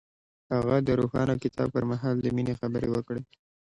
هغه د روښانه کتاب پر مهال د مینې خبرې وکړې.